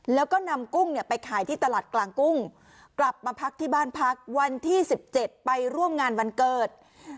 แล้วก็นำกุ้งเนี่ยไปขายที่ตลาดกลางกุ้งกลับมาพักที่บ้านพักวันที่๑๗ไปร่วมงานวันเกิด